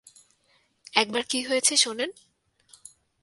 একবার কী হয়েছে, শোনেন।